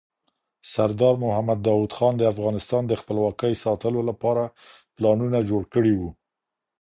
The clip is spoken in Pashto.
سردار محمد داود خان د افغانستان د خپلواکۍ ساتلو لپاره پلانونه جوړ کړي وو.